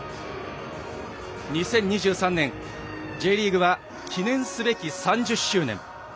２０２３年Ｊリーグは記念すべき３０周年。